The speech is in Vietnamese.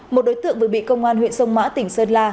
một đối tượng vừa bị công an huyện sông mã tỉnh sơn la